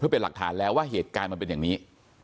เป็นหลักฐานแล้วว่าเหตุการณ์มันเป็นอย่างนี้